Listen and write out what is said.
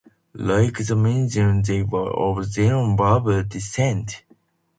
Like the Marinids, they were of Zenata Berber descent.